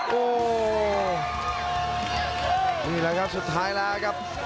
โอ้โหนี่แหละครับสุดท้ายแล้วครับ